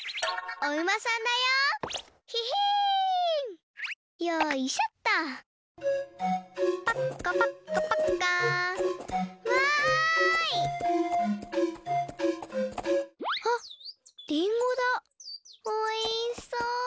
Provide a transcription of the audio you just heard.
おいしそう！